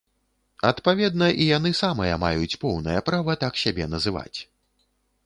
Адпаведна, і яны самыя маюць поўнае права так сябе называць.